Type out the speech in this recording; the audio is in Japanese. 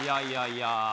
いやいや